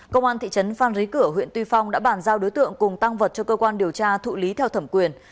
công an thị trấn phan rí cửa huyện tuy phong đã bàn giao đối tượng cùng tăng vật cho cơ quan điều tra thụ lý theo thẩm quyền